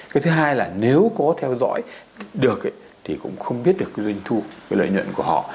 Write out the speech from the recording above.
cái thứ hai là nếu có theo dõi được ấy thì cũng không biết được cái doanh thu cái lợi nhuận của họ